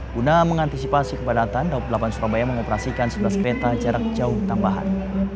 guna mengantisipasi kepadatan daup delapan surabaya mengoperasikan sebelas peta jarak jauh tambahan